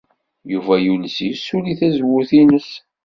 Yuba yules yessuli tazewwut-nnes.